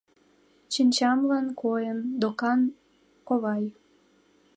— Шинчамлан койын, докан, ковай.